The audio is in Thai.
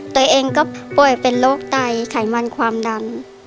ตัวเองก็ป่วยเป็นโรคไตไขมันความดัน